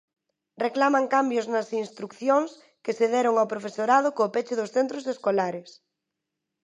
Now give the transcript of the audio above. Reclaman cambios nas instrucións que se deron ao profesorado co peche dos centros escolares.